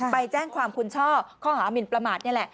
ไปแจ้งความคุณช่อข้อหามินประมาทนี่แหละ